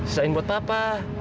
sisain buat papa